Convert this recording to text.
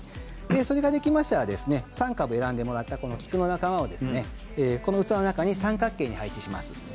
それができましたら３株選んでいただいて、菊の仲間この器の中に三角形に配置します。